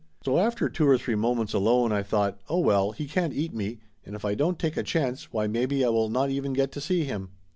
So after two or three moments alone I thought, oh, well, he can't eat me, and if I don't take a chance why maybe I will not even get to see him.